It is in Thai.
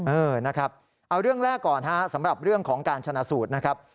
เออนะครับเอาเรื่องแรกก่อนฮะสำหรับเรื่องของการชนะสูตรนะครับ